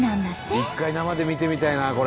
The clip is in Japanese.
一回生で見てみたいなこれ。